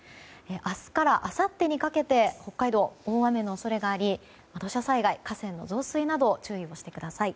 明日からあさってにかけて北海道、大雨の恐れがあり土砂災害、河川の増水などに注意をしてください。